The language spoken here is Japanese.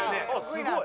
すごい。